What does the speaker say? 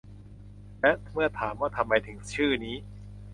และเมื่อถามว่าทำไมถึงชื่อนี้